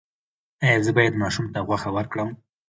ایا زه باید ماشوم ته غوښه ورکړم؟